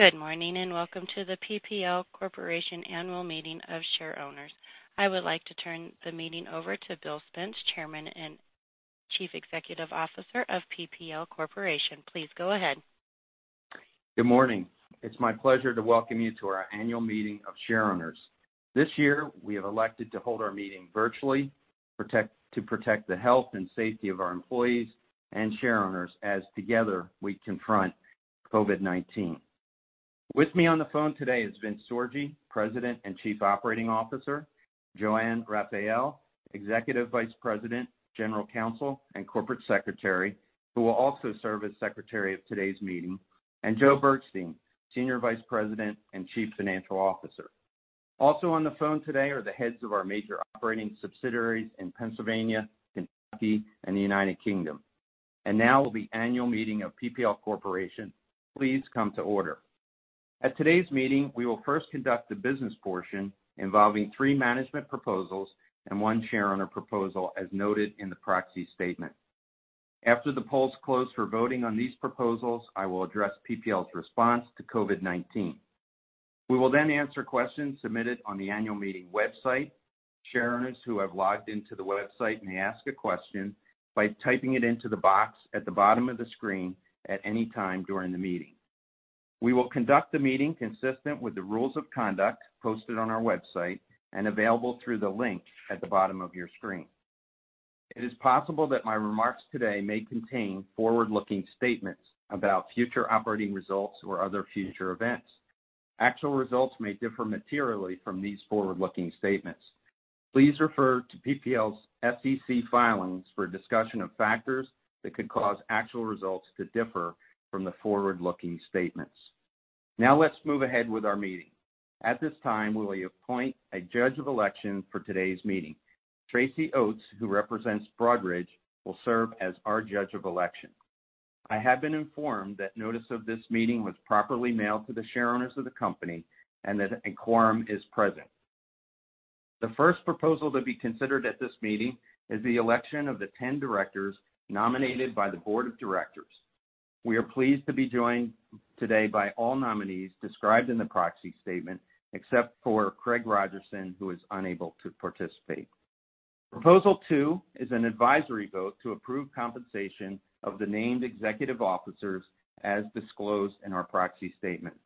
Good morning. Welcome to the PPL Corporation Annual Meeting of Shareowners. I would like to turn the meeting over to Bill Spence, Chairman and Chief Executive Officer of PPL Corporation. Please go ahead. Good morning. It's my pleasure to welcome you to our Annual Meeting of Shareowners. This year, we have elected to hold our meeting virtually to protect the health and safety of our employees and shareowners as together we confront COVID-19. With me on the phone today is Vince Sorgi, President and Chief Operating Officer, JoAnne Raphael, Executive Vice President, General Counsel, and Corporate Secretary, who will also serve as secretary of today's meeting, and Joe Bergstein, Senior Vice President and Chief Financial Officer. Also on the phone today are the heads of our major operating subsidiaries in Pennsylvania, Kentucky, and the United Kingdom. Now the Annual Meeting of PPL Corporation please come to order. At today's meeting, we will first conduct the business portion involving three management proposals and one shareowner proposal as noted in the proxy statement. After the polls close for voting on these proposals, I will address PPL's response to COVID-19. We will then answer questions submitted on the annual meeting website. Shareowners who have logged into the website may ask a question by typing it into the box at the bottom of the screen at any time during the meeting. We will conduct the meeting consistent with the rules of conduct posted on our website and available through the link at the bottom of your screen. It is possible that my remarks today may contain forward-looking statements about future operating results or other future events. Actual results may differ materially from these forward-looking statements. Please refer to PPL's SEC filings for a discussion of factors that could cause actual results to differ from the forward-looking statements. Let's move ahead with our meeting. At this time, we will appoint a judge of election for today's meeting. Tracy Oates, who represents Broadridge, will serve as our judge of election. I have been informed that notice of this meeting was properly mailed to the shareowners of the company and that a quorum is present. The first proposal to be considered at this meeting is the election of the 10 directors nominated by the board of directors. We are pleased to be joined today by all nominees described in the proxy statement, except for Craig Rogerson, who is unable to participate. Proposal two is an advisory vote to approve compensation of the named executive officers as disclosed in our proxy statement.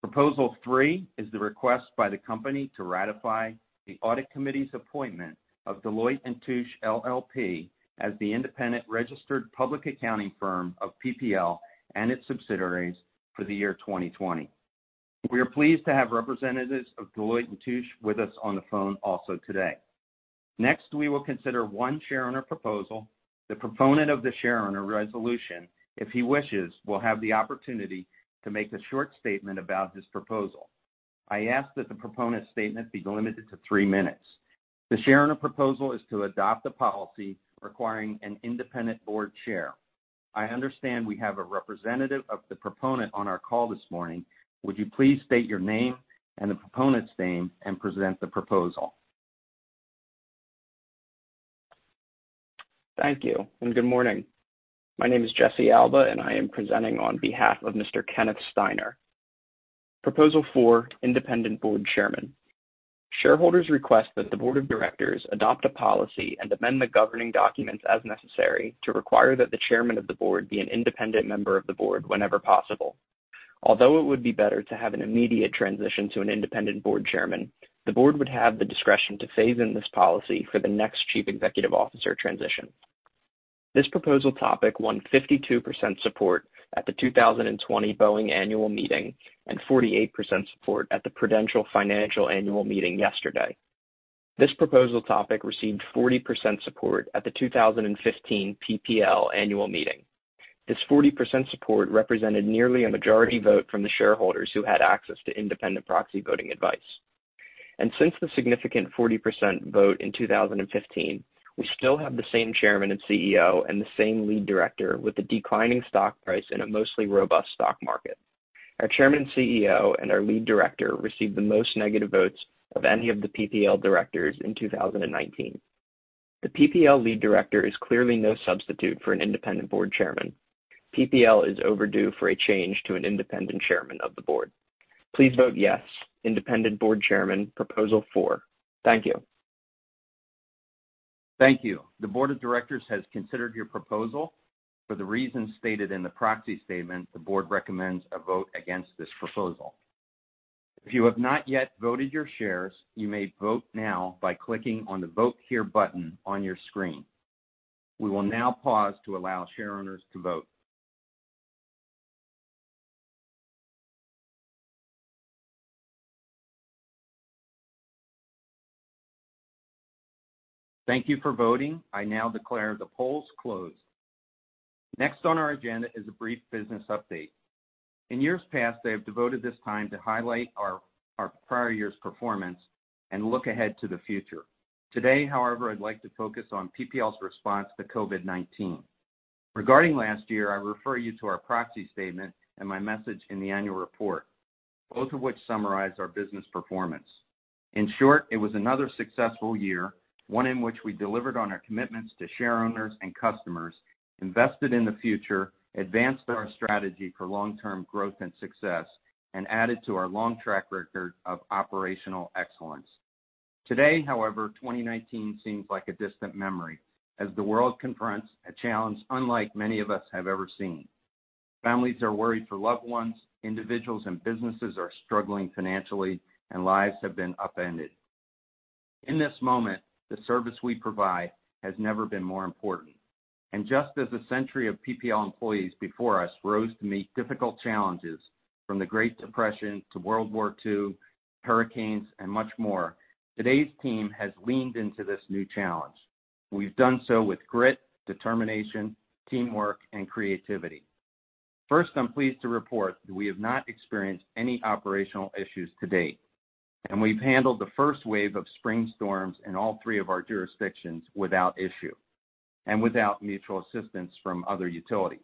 Proposal three is the request by the company to ratify the audit committee's appointment of Deloitte & Touche LLP as the independent registered public accounting firm of PPL and its subsidiaries for the year 2020. We are pleased to have representatives of Deloitte & Touche with us on the phone also today. Next, we will consider one shareowner proposal. The proponent of the shareowner resolution, if he wishes, will have the opportunity to make a short statement about this proposal. I ask that the proponent statement be limited to three minutes. The shareowner proposal is to adopt a policy requiring an independent board chair. I understand we have a representative of the proponent on our call this morning. Would you please state your name and the proponent's name and present the proposal? Thank you, and good morning. My name is Jesse Alba, and I am presenting on behalf of Mr. Kenneth Steiner. Proposal four, independent board chairman. Shareholders request that the board of directors adopt a policy and amend the governing documents as necessary to require that the chairman of the board be an independent member of the board whenever possible. Although it would be better to have an immediate transition to an independent board chairman, the board would have the discretion to phase in this policy for the next Chief Executive Officer transition. This proposal topic won 52% support at the 2020 Boeing annual meeting and 48% support at the Prudential Financial annual meeting yesterday. This proposal topic received 40% support at the 2015 PPL annual meeting. This 40% support represented nearly a majority vote from the shareholders who had access to independent proxy voting advice. Since the significant 40% vote in 2015, we still have the same Chairman and CEO and the same Lead Director with a declining stock price in a mostly robust stock market. Our Chairman and CEO and our Lead Director received the most negative votes of any of the PPL directors in 2019. The PPL Lead Director is clearly no substitute for an Independent Board Chairman. PPL is overdue for a change to an Independent Chairman of the Board. Please vote yes, Independent Board Chairman, proposal four. Thank you. Thank you. The board of directors has considered your proposal. For the reasons stated in the proxy statement, the board recommends a vote against this proposal. If you have not yet voted your shares, you may vote now by clicking on the Vote Here button on your screen. We will now pause to allow shareowners to vote. Thank you for voting. I now declare the polls closed. Next on our agenda is a brief business update. In years past, I have devoted this time to highlight our prior year's performance and look ahead to the future. Today, however, I'd like to focus on PPL's response to COVID-19. Regarding last year, I refer you to our proxy statement and my message in the annual report, both of which summarize our business performance. In short, it was another successful year, one in which we delivered on our commitments to share owners and customers, invested in the future, advanced our strategy for long-term growth and success, and added to our long track record of operational excellence. Today, however, 2019 seems like a distant memory as the world confronts a challenge unlike many of us have ever seen. Families are worried for loved ones, individuals and businesses are struggling financially, and lives have been upended. In this moment, the service we provide has never been more important. Just as a century of PPL employees before us rose to meet difficult challenges from the Great Depression to World War II, hurricanes, and much more, today's team has leaned into this new challenge. We've done so with grit, determination, teamwork, and creativity. First, I'm pleased to report that we have not experienced any operational issues to date, and we've handled the first wave of spring storms in all three of our jurisdictions without issue and without mutual assistance from other utilities.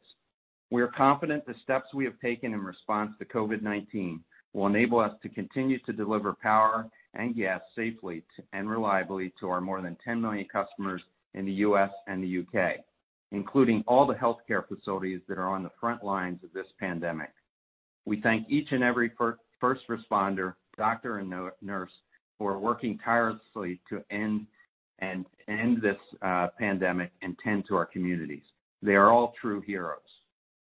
We are confident the steps we have taken in response to COVID-19 will enable us to continue to deliver power and gas safely and reliably to our more than 10 million customers in the U.S. and the U.K., including all the healthcare facilities that are on the front lines of this pandemic. We thank each and every first responder, doctor, and nurse who are working tirelessly to end this pandemic and tend to our communities. They are all true heroes.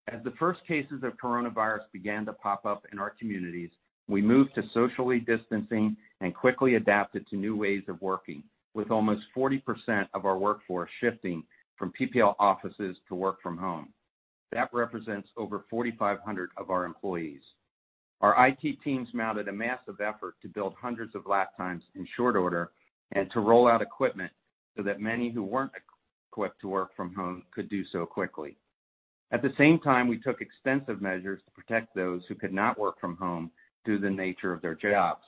As the first cases of coronavirus began to pop up in our communities, we moved to socially distancing and quickly adapted to new ways of working with almost 40% of our workforce shifting from PPL offices to work from home. That represents over 4,500 of our employees. Our IT teams mounted a massive effort to build hundreds of laptops in short order and to roll out equipment so that many who weren't equipped to work from home could do so quickly. At the same time, we took extensive measures to protect those who could not work from home due to the nature of their jobs.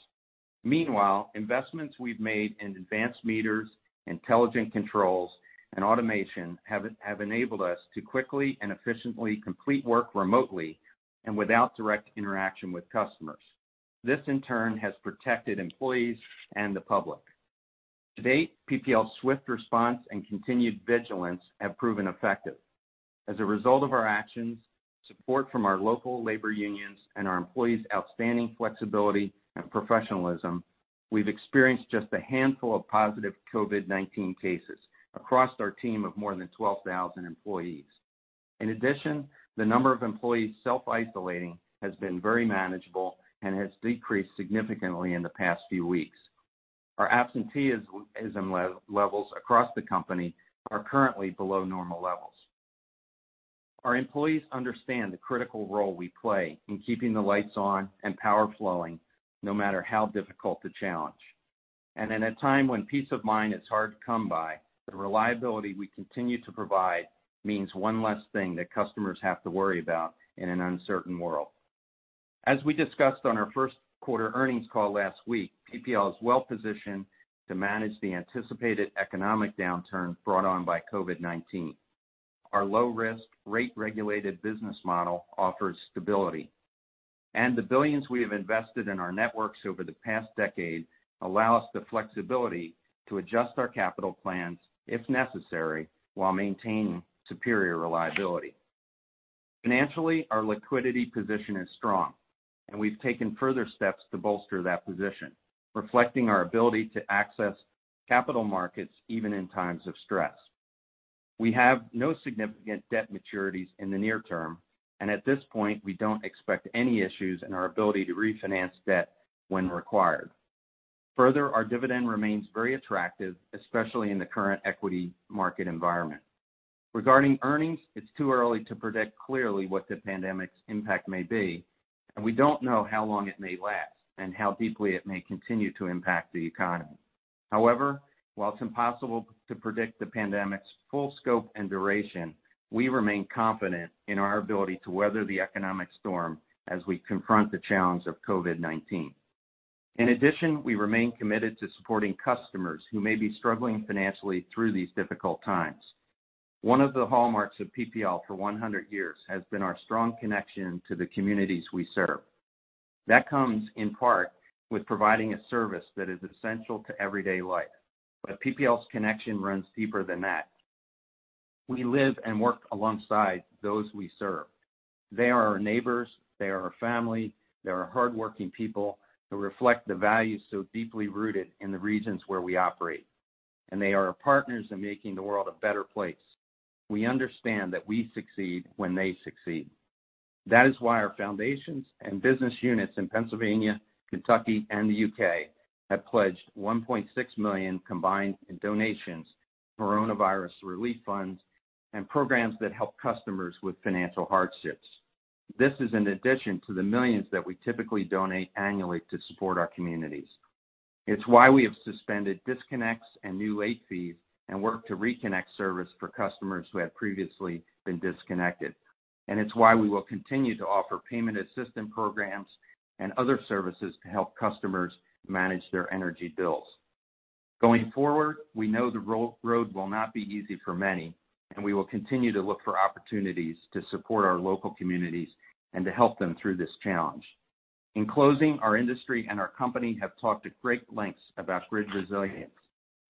Meanwhile, investments we've made in advanced meters, intelligent controls, and automation have enabled us to quickly and efficiently complete work remotely and without direct interaction with customers. This, in turn, has protected employees and the public. To date, PPL's swift response and continued vigilance have proven effective. As a result of our actions, support from our local labor unions, and our employees' outstanding flexibility and professionalism, we've experienced just a handful of positive COVID-19 cases across our team of more than 12,000 employees. In addition, the number of employees self-isolating has been very manageable and has decreased significantly in the past few weeks. Our absenteeism levels across the company are currently below normal levels. Our employees understand the critical role we play in keeping the lights on and power flowing, no matter how difficult the challenge. In a time when peace of mind is hard to come by, the reliability we continue to provide means one less thing that customers have to worry about in an uncertain world. As we discussed on our first quarter earnings call last week, PPL is well-positioned to manage the anticipated economic downturn brought on by COVID-19. Our low-risk, rate-regulated business model offers stability, and the billions we have invested in our networks over the past decade allow us the flexibility to adjust our capital plans, if necessary, while maintaining superior reliability. Financially, our liquidity position is strong, and we've taken further steps to bolster that position, reflecting our ability to access capital markets even in times of stress. We have no significant debt maturities in the near term, and at this point, we don't expect any issues in our ability to refinance debt when required. Further, our dividend remains very attractive, especially in the current equity market environment. Regarding earnings, it's too early to predict clearly what the pandemic's impact may be, and we don't know how long it may last and how deeply it may continue to impact the economy. However, while it's impossible to predict the pandemic's full scope and duration, we remain confident in our ability to weather the economic storm as we confront the challenge of COVID-19. In addition, we remain committed to supporting customers who may be struggling financially through these difficult times. One of the hallmarks of PPL for 100 years has been our strong connection to the communities we serve. That comes, in part, with providing a service that is essential to everyday life. PPL's connection runs deeper than that. We live and work alongside those we serve. They are our neighbors, they are our family, they are hardworking people who reflect the values so deeply rooted in the regions where we operate, and they are our partners in making the world a better place. We understand that we succeed when they succeed. That is why our foundations and business units in Pennsylvania, Kentucky, and the U.K. have pledged $1.6 million combined in donations, coronavirus relief funds, and programs that help customers with financial hardships. This is in addition to the millions that we typically donate annually to support our communities. It's why we have suspended disconnects and new late fees and worked to reconnect service for customers who had previously been disconnected. It's why we will continue to offer payment assistance programs and other services to help customers manage their energy bills. Going forward, we know the road will not be easy for many, and we will continue to look for opportunities to support our local communities and to help them through this challenge. In closing, our industry and our company have talked at great lengths about grid resilience.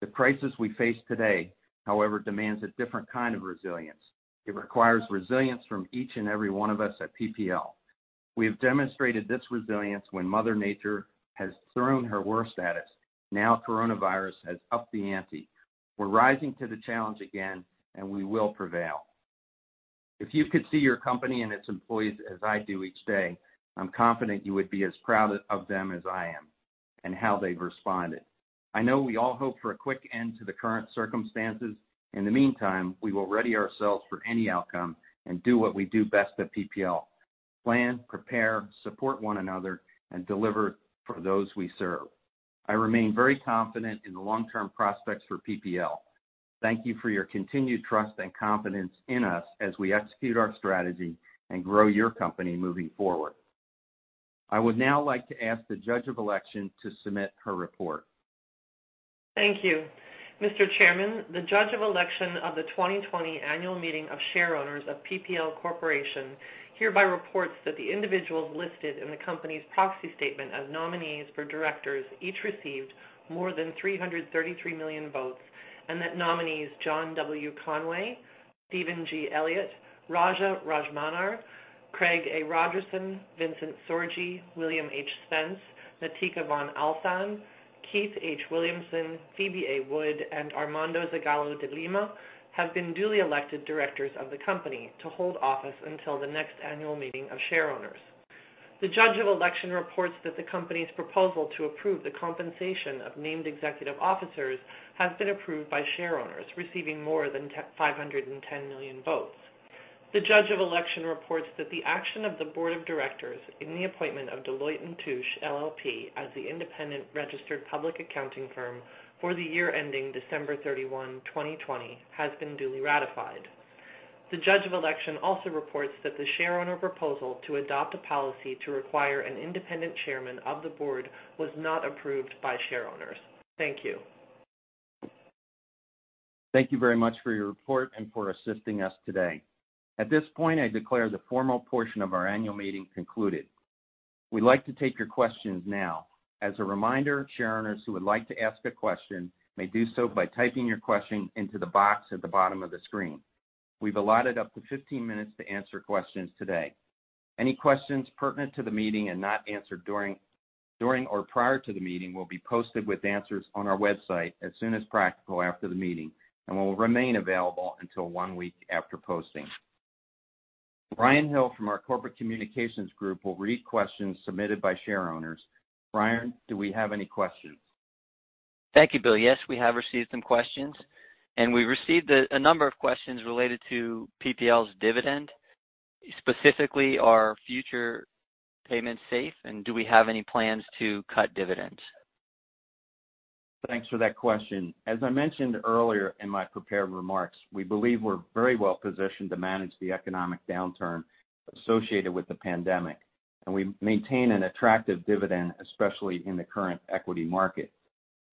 The crisis we face today, however, demands a different kind of resilience. It requires resilience from each and every one of us at PPL. We have demonstrated this resilience when Mother Nature has thrown her worst at us. Now, coronavirus has upped the ante. We're rising to the challenge again, and we will prevail. If you could see your company and its employees as I do each day, I'm confident you would be as proud of them as I am and how they've responded. I know we all hope for a quick end to the current circumstances. In the meantime, we will ready ourselves for any outcome and do what we do best at PPL: plan, prepare, support one another, and deliver for those we serve. I remain very confident in the long-term prospects for PPL. Thank you for your continued trust and confidence in us as we execute our strategy and grow your company moving forward. I would now like to ask the Judge of Election to submit her report. Thank you. Mr. Chairman, the Judge of Election of the 2020 Annual Meeting of Shareowners of PPL Corporation hereby reports that the individuals listed in the company's proxy statement as nominees for directors each received more than 333 million votes, and that nominees John W. Conway, Steven G. Elliott, Raja Rajamannar, Craig A. Rogerson, Vincent Sorgi, William H. Spence, Natica von Althann, Keith H. Williamson, Phoebe A. Wood, and Armando Zagalo de Lima have been duly elected directors of the company to hold office until the next annual meeting of shareowners. The Judge of Election reports that the company's proposal to approve the compensation of named executive officers has been approved by shareowners, receiving more than 510 million votes. The Judge of Election reports that the action of the Board of Directors in the appointment of Deloitte & Touche LLP as the independent registered public accounting firm for the year ending December 31, 2020, has been duly ratified. The Judge of Election also reports that the shareowner proposal to adopt a policy to require an independent chairman of the board was not approved by shareowners. Thank you. Thank you very much for your report and for assisting us today. At this point, I declare the formal portion of our annual meeting concluded. We'd like to take your questions now. As a reminder, shareowners who would like to ask a question may do so by typing your question into the box at the bottom of the screen. We've allotted up to 15 minutes to answer questions today. Any questions pertinent to the meeting and not answered during or prior to the meeting will be posted with answers on our website as soon as practical after the meeting and will remain available until one week after posting. Ryan Hill from our corporate communications group will read questions submitted by shareowners. Ryan, do we have any questions? Thank you, Bill. Yes, we have received some questions, and we received a number of questions related to PPL's dividend. Specifically, are future payments safe, and do we have any plans to cut dividends? Thanks for that question. As I mentioned earlier in my prepared remarks, we believe we're very well-positioned to manage the economic downturn associated with the pandemic, and we maintain an attractive dividend, especially in the current equity market.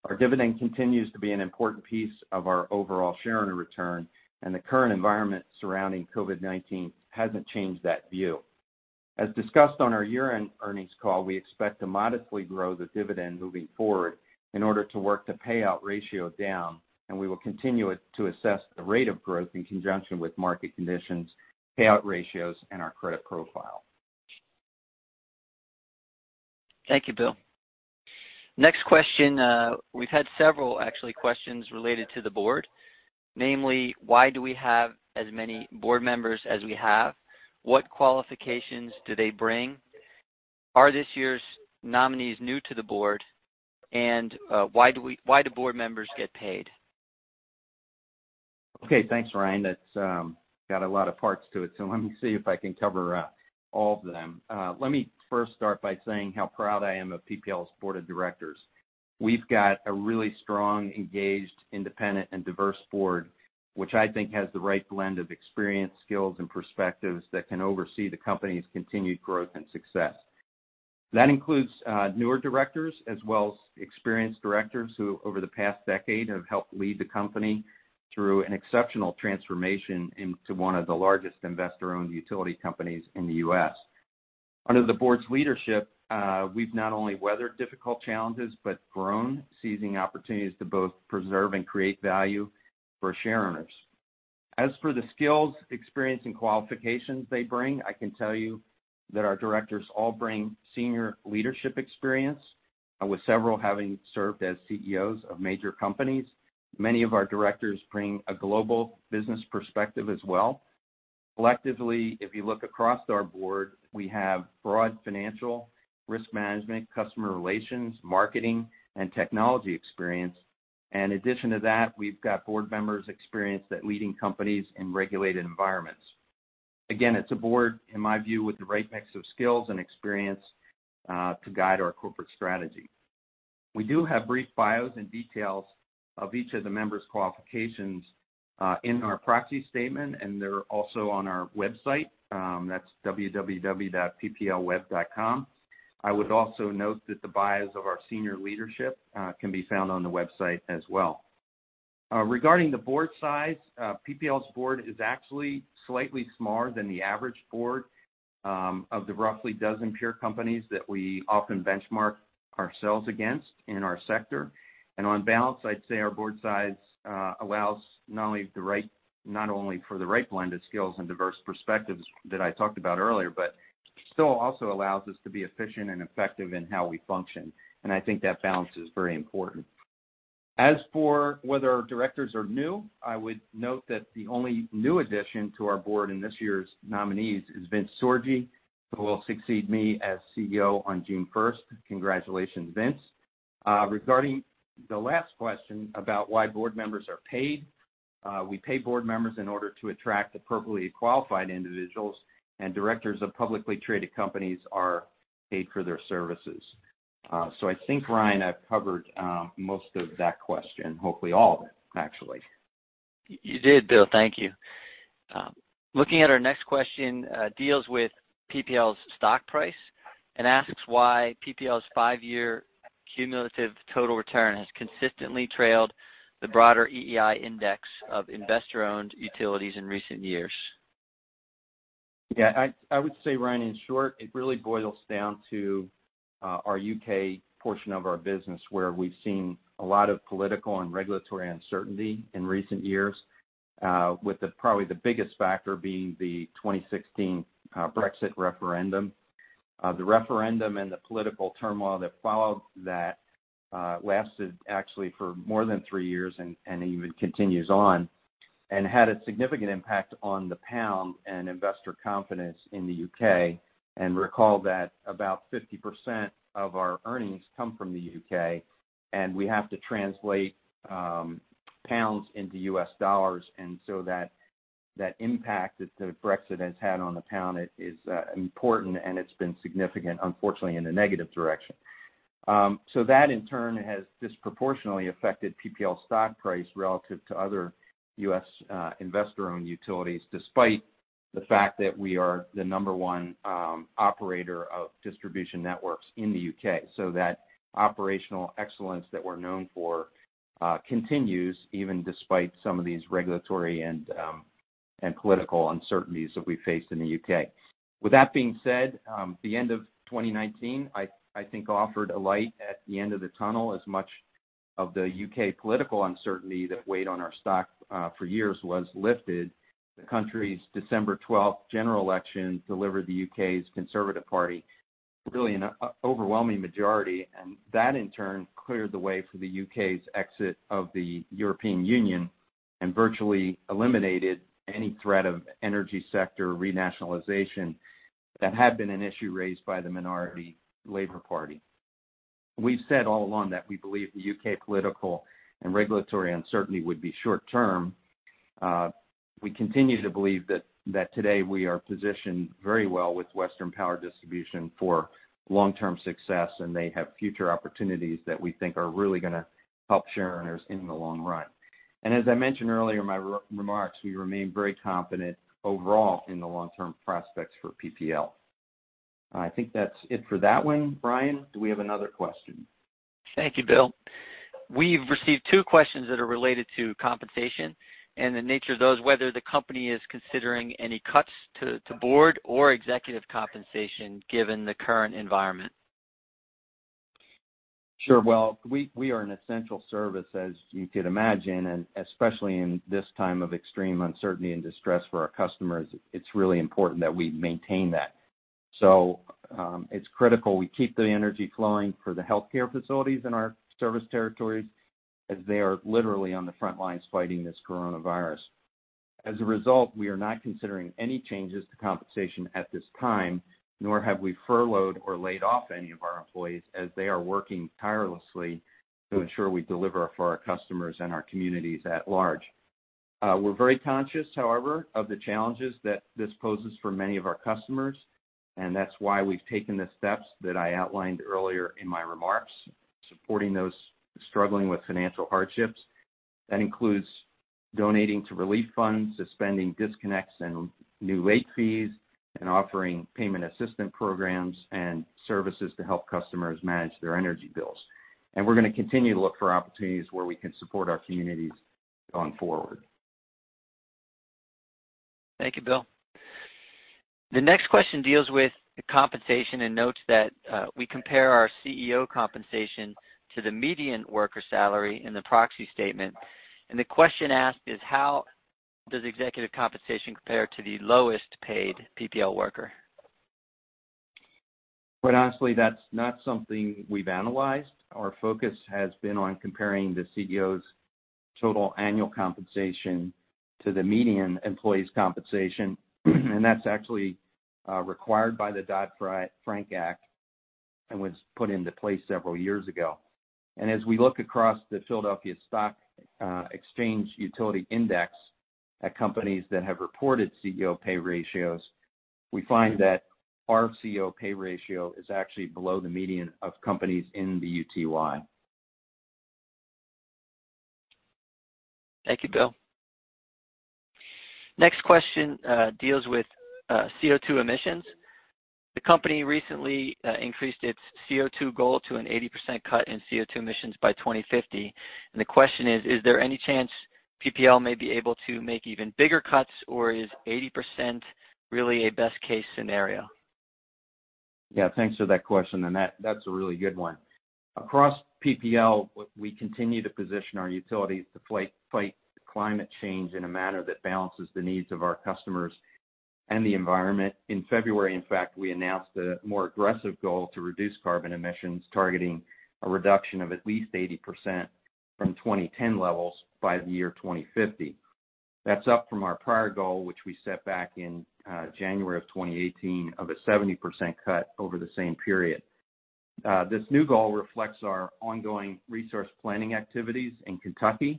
Our dividend continues to be an important piece of our overall shareowner return, and the current environment surrounding COVID-19 hasn't changed that view. As discussed on our year-end earnings call, we expect to modestly grow the dividend moving forward in order to work the payout ratio down, and we will continue to assess the rate of growth in conjunction with market conditions, payout ratios, and our credit profile. Thank you, Bill. Next question. We've had several, actually, questions related to the board. Namely, why do we have as many board members as we have? What qualifications do they bring? Are this year's nominees new to the board? Why do board members get paid? Okay. Thanks, Ryan. That's got a lot of parts to it, so let me see if I can cover all of them. Let me first start by saying how proud I am of PPL's Board of Directors. We've got a really strong, engaged, independent, and diverse board, which I think has the right blend of experience, skills, and perspectives that can oversee the company's continued growth and success. That includes newer directors as well as experienced directors who, over the past decade, have helped lead the company through an exceptional transformation into one of the largest investor-owned utility companies in the U.S. Under the board's leadership, we've not only weathered difficult challenges but grown, seizing opportunities to both preserve and create value for shareowners. As for the skills, experience, and qualifications they bring, I can tell you that our directors all bring senior leadership experience, with several having served as CEOs of major companies. Many of our directors bring a global business perspective as well. Collectively, if you look across our board, we have broad financial, risk management, customer relations, marketing, and technology experience. In addition to that, we've got board members experienced at leading companies in regulated environments. Again, it's a board, in my view, with the right mix of skills and experience to guide our corporate strategy. We do have brief bios and details of each of the members' qualifications in our proxy statement, and they're also on our website, that's www.pplweb.com. I would also note that the bios of our senior leadership can be found on the website as well. Regarding the board size, PPL's board is actually slightly smaller than the average board of the roughly dozen peer companies that we often benchmark ourselves against in our sector. On balance, I'd say our board size allows not only for the right blend of skills and diverse perspectives that I talked about earlier, but still also allows us to be efficient and effective in how we function. I think that balance is very important. As for whether our directors are new, I would note that the only new addition to our board in this year's nominees is Vincent Sorgi, who will succeed me as CEO on June 1st. Congratulations, Vince. Regarding the last question about why board members are paid, we pay board members in order to attract appropriately qualified individuals, and directors of publicly traded companies are paid for their services. I think, Ryan, I've covered most of that question. Hopefully all of it, actually. You did, Bill. Thank you. Looking at our next question, deals with PPL's stock price, and asks why PPL's five-year cumulative total return has consistently trailed the broader EEI index of investor-owned utilities in recent years. I would say, Ryan, in short, it really boils down to our U.K. portion of our business where we've seen a lot of political and regulatory uncertainty in recent years, with probably the biggest factor being the 2016 Brexit referendum. The referendum and the political turmoil that followed that lasted actually for more than three years and even continues on, had a significant impact on the pound and investor confidence in the U.K. Recall that about 50% of our earnings come from the U.K. and we have to translate pounds into US dollars. That impact that Brexit has had on the pound is important, and it's been significant, unfortunately in a negative direction. That in turn has disproportionately affected PPL's stock price relative to other U.S. investor-owned utilities, despite the fact that we are the number one operator of distribution networks in the U.K. That operational excellence that we're known for continues even despite some of these regulatory and political uncertainties that we face in the U.K. With that being said, the end of 2019, I think, offered a light at the end of the tunnel as much of the U.K. political uncertainty that weighed on our stock for years was lifted. The country's December 12th general election delivered the U.K.'s Conservative Party really an overwhelming majority, and that in turn cleared the way for the U.K.'s exit of the European Union and virtually eliminated any threat of energy sector renationalization that had been an issue raised by the minority Labour Party. We've said all along that we believe the U.K. political and regulatory uncertainty would be short-term. We continue to believe that today we are positioned very well with Western Power Distribution for long-term success, and they have future opportunities that we think are really going to help share owners in the long run. As I mentioned earlier in my remarks, we remain very confident overall in the long-term prospects for PPL. I think that's it for that one, Ryan. Do we have another question? Thank you, Bill. We've received two questions that are related to compensation and the nature of those, whether the company is considering any cuts to board or executive compensation given the current environment. Sure. Well, we are an essential service, as you could imagine, and especially in this time of extreme uncertainty and distress for our customers, it's really important that we maintain that. It's critical we keep the energy flowing for the healthcare facilities in our service territories as they are literally on the front lines fighting this coronavirus. As a result, we are not considering any changes to compensation at this time, nor have we furloughed or laid off any of our employees as they are working tirelessly to ensure we deliver for our customers and our communities at large. We're very conscious, however, of the challenges that this poses for many of our customers, that's why we've taken the steps that I outlined earlier in my remarks, supporting those struggling with financial hardships. That includes donating to relief funds, suspending disconnects and new late fees, and offering payment assistance programs and services to help customers manage their energy bills. We're going to continue to look for opportunities where we can support our communities going forward. Thank you, Bill. The next question deals with compensation and notes that we compare our CEO compensation to the median worker salary in the proxy statement. The question asked is how does executive compensation compare to the lowest-paid PPL worker? Quite honestly, that's not something we've analyzed. Our focus has been on comparing the CEO's total annual compensation to the median employee's compensation. That's actually required by the Dodd-Frank Act and was put into place several years ago. As we look across the PHLX Utility Sector Index at companies that have reported CEO pay ratios. We find that our CEO pay ratio is actually below the median of companies in the UTY. Thank you, Bill. Next question deals with CO2 emissions. The company recently increased its CO2 goal to an 80% cut in CO2 emissions by 2050. The question is: Is there any chance PPL may be able to make even bigger cuts, or is 80% really a best-case scenario? Thanks for that question, and that's a really good one. Across PPL, we continue to position our utilities to fight climate change in a manner that balances the needs of our customers and the environment. In February, in fact, we announced a more aggressive goal to reduce carbon emissions, targeting a reduction of at least 80% from 2010 levels by the year 2050. That's up from our prior goal, which we set back in January of 2018, of a 70% cut over the same period. This new goal reflects our ongoing resource planning activities in Kentucky,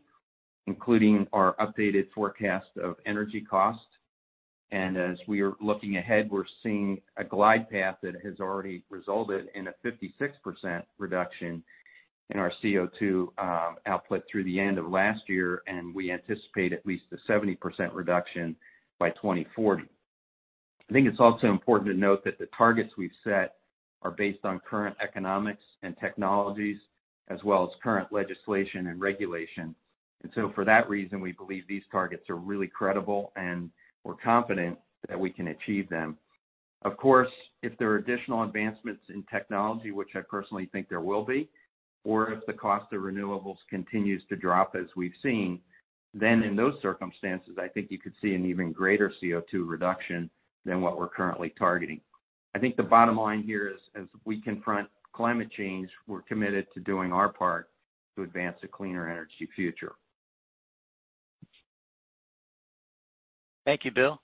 including our updated forecast of energy cost. As we are looking ahead, we're seeing a glide path that has already resulted in a 56% reduction in our CO2 output through the end of last year, and we anticipate at least a 70% reduction by 2040. I think it's also important to note that the targets we've set are based on current economics and technologies, as well as current legislation and regulation. For that reason, we believe these targets are really credible, and we're confident that we can achieve them. Of course, if there are additional advancements in technology, which I personally think there will be, or if the cost of renewables continues to drop as we've seen, then in those circumstances, I think you could see an even greater CO2 reduction than what we're currently targeting. I think the bottom line here is, as we confront climate change, we're committed to doing our part to advance a cleaner energy future. Thank you, Bill.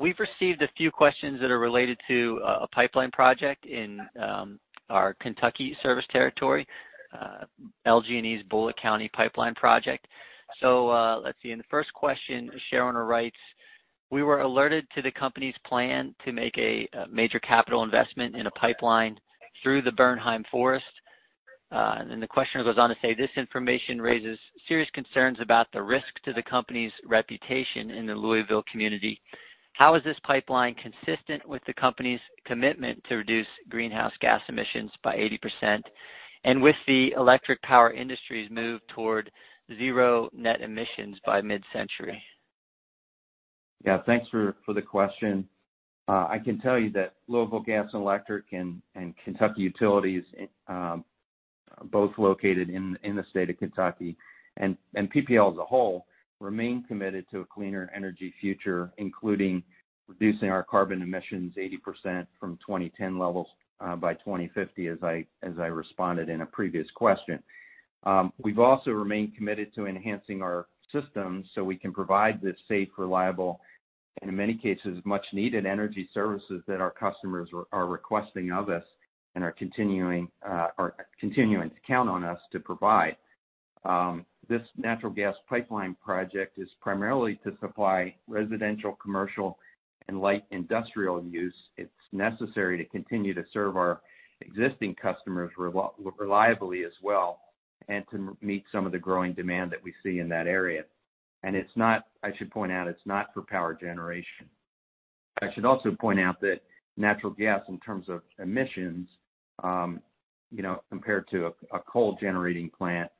We've received a few questions that are related to a pipeline project in our Kentucky service territory, LG&E's Bullitt County pipeline project. Let's see. In the first question, Sharon writes: We were alerted to the company's plan to make a major capital investment in a pipeline through the Bernheim Forest. The question goes on to say: This information raises serious concerns about the risk to the company's reputation in the Louisville community. How is this pipeline consistent with the company's commitment to reduce greenhouse gas emissions by 80%, and with the electric power industry's move toward zero net emissions by mid-century? Yeah. Thanks for the question. I can tell you that Louisville Gas and Electric and Kentucky Utilities, both located in the state of Kentucky, and PPL as a whole, remain committed to a cleaner energy future, including reducing our carbon emissions 80% from 2010 levels by 2050, as I responded in a previous question. We've also remained committed to enhancing our systems so we can provide the safe, reliable, and in many cases, much-needed energy services that our customers are requesting of us and are continuing to count on us to provide. This natural gas pipeline project is primarily to supply residential, commercial, and light industrial use. It's necessary to continue to serve our existing customers reliably as well and to meet some of the growing demand that we see in that area. I should point out, it's not for power generation. I should also point out that natural gas, in terms of emissions, compared to a coal generating plant,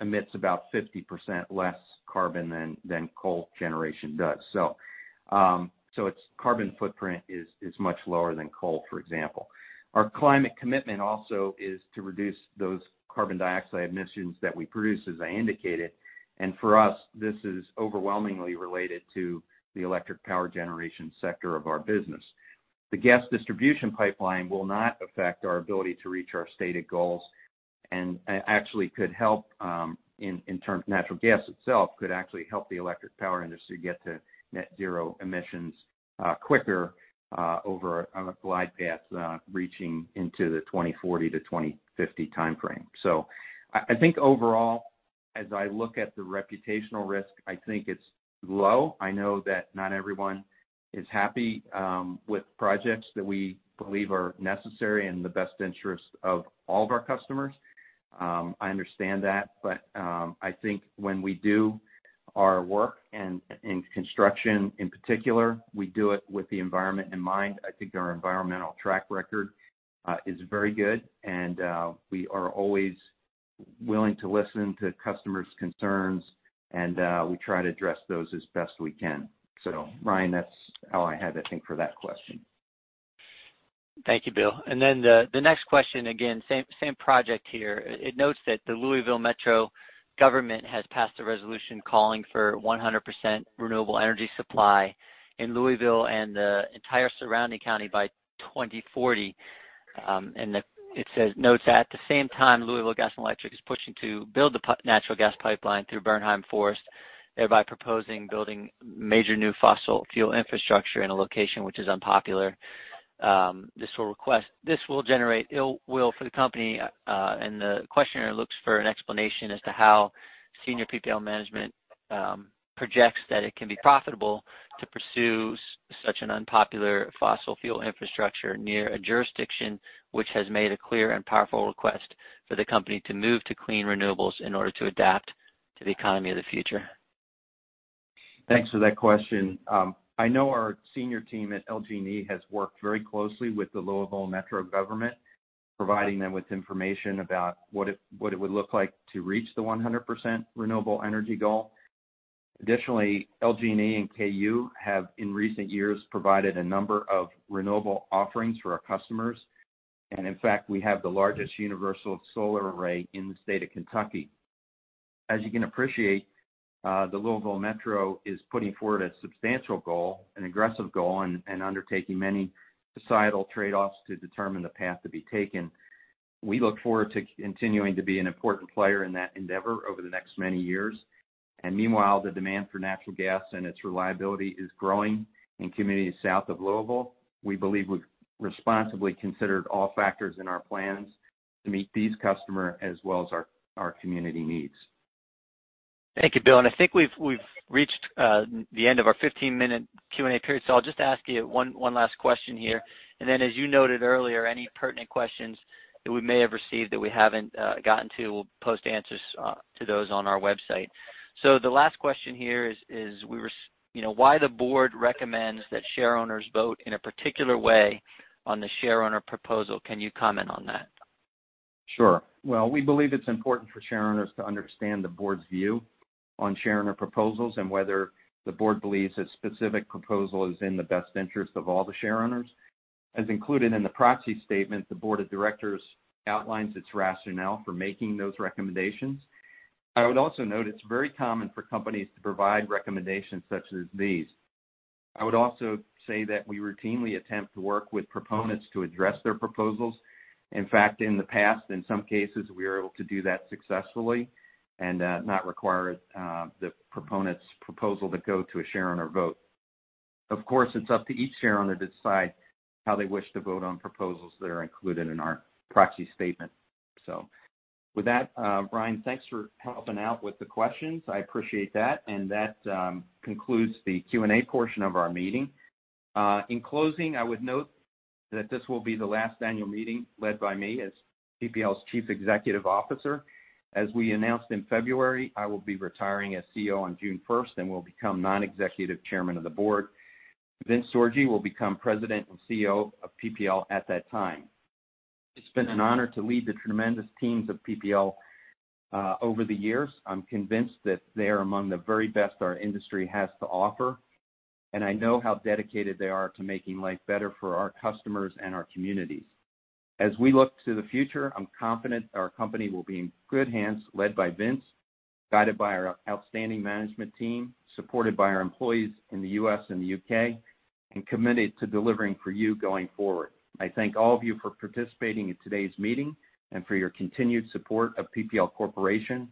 emits about 50% less carbon than coal generation does. Its carbon footprint is much lower than coal, for example. Our climate commitment also is to reduce those carbon dioxide emissions that we produce, as I indicated. For us, this is overwhelmingly related to the electric power generation sector of our business. The gas distribution pipeline will not affect our ability to reach our stated goals, and natural gas itself could actually help the electric power industry get to net zero emissions quicker over a glide path reaching into the 2040 - 2050 timeframe. I think overall, as I look at the reputational risk, I think it's low. I know that not everyone is happy with projects that we believe are necessary in the best interest of all of our customers. I understand that. I think when we do our work and in construction in particular, we do it with the environment in mind. I think our environmental track record is very good, and we are always willing to listen to customers' concerns, and we try to address those as best we can. Ryan, that's how I have to think for that question. Thank you, Bill. The next question, again, same project here. It notes that the Louisville Metro government has passed a resolution calling for 100% renewable energy supply in Louisville and the entire surrounding county by 2040. It notes at the same time, Louisville Gas and Electric is pushing to build the natural gas pipeline through Bernheim Forest, thereby proposing building major new fossil fuel infrastructure in a location which is unpopular. This will generate ill will for the company, and the questionnaire looks for an explanation as to how senior PPL management projects that it can be profitable to pursue such an unpopular fossil fuel infrastructure near a jurisdiction which has made a clear and powerful request for the company to move to clean renewables in order to adapt to the economy of the future. Thanks for that question. I know our senior team at LG&E has worked very closely with the Louisville Metro government, providing them with information about what it would look like to reach the 100% renewable energy goal. LG&E and KU have, in recent years, provided a number of renewable offerings for our customers. In fact, we have the largest universal solar array in the state of Kentucky. As you can appreciate, the Louisville Metro is putting forward a substantial goal, an aggressive goal, and undertaking many societal trade-offs to determine the path to be taken. We look forward to continuing to be an important player in that endeavor over the next many years. Meanwhile, the demand for natural gas and its reliability is growing in communities south of Louisville. We believe we've responsibly considered all factors in our plans to meet these customer as well as our community needs. Thank you, Bill. I think we've reached the end of our 15-minute Q&A period, so I'll just ask you one last question here. As you noted earlier, any pertinent questions that we may have received that we haven't gotten to, we'll post answers to those on our website. The last question here is why the board recommends that share owners vote in a particular way on the share owner proposal. Can you comment on that? Sure. Well, we believe it's important for share owners to understand the board's view on share owner proposals and whether the board believes a specific proposal is in the best interest of all the share owners. As included in the proxy statement, the board of directors outlines its rationale for making those recommendations. I would also note it's very common for companies to provide recommendations such as these. I would also say that we routinely attempt to work with proponents to address their proposals. In fact, in the past, in some cases, we were able to do that successfully and not require the proponent's proposal to go to a share owner vote. Of course, it's up to each share owner to decide how they wish to vote on proposals that are included in our proxy statement. With that, Ryan, thanks for helping out with the questions. I appreciate that. That concludes the Q&A portion of our meeting. In closing, I would note that this will be the last annual meeting led by me as PPL's Chief Executive Officer. As we announced in February, I will be retiring as CEO on June first and will become Non-Executive Chairman of the Board. Vincent Sorgi will become President and CEO of PPL at that time. It's been an honor to lead the tremendous teams of PPL over the years. I'm convinced that they are among the very best our industry has to offer, and I know how dedicated they are to making life better for our customers and our communities. As we look to the future, I'm confident our company will be in good hands led by Vince, guided by our outstanding management team, supported by our employees in the U.S. and the U.K., and committed to delivering for you going forward. I thank all of you for participating in today's meeting and for your continued support of PPL Corporation.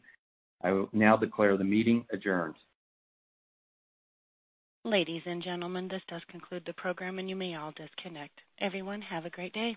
I will now declare the meeting adjourned. Ladies and gentlemen, this does conclude the program, and you may all disconnect. Everyone, have a great day.